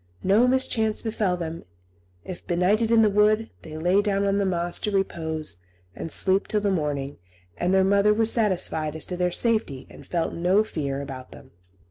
No mischance befell them; if benighted in the wood, they lay down on the moss to repose and sleep till the morning; and their mother was satisfied as to their safety, and felt no fear about them.